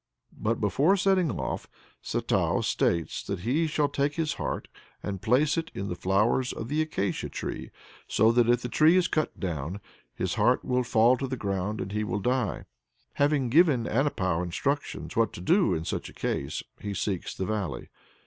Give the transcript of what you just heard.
But, before setting off, Satou states that he shall take his heart and place it "in the flowers of the acacia tree," so that, if the tree is cut down, his heart will fall to the ground and he will die. Having given Anepou instructions what to do in such a case, he seeks the valley.